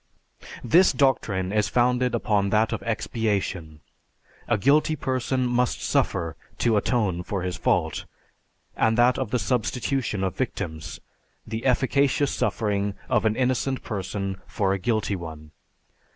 This doctrine is founded upon that of expiation; a guilty person must suffer to atone for his fault; and that of the substitution of victims, the efficacious suffering of an innocent person for a guilty one.